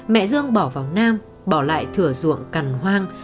mẹ dương bỏ vào nam bỏ lại thửa ruộng cằn hoang